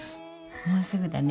もうすぐだね。